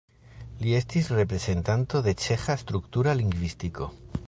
Li estis reprezentanto de ĉeĥa struktura lingvistiko.